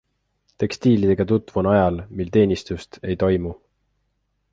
Tekstiilidega tutvun ajal, mil teenistust ei toimu.